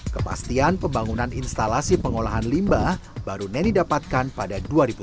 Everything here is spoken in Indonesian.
kepastian pembangunan instalasi pengolahan limbah baru neni dapatkan pada dua ribu dua puluh